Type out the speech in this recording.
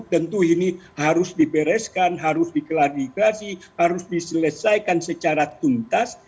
tentu ini harus dibereskan harus diklarifikasi harus diselesaikan secara tuntas